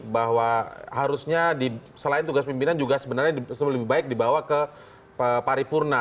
bahwa harusnya selain tugas pimpinan juga sebenarnya lebih baik dibawa ke paripurna